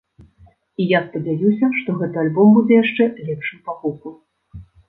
І я спадзяюся, што гэты альбом будзе яшчэ лепшым па гуку.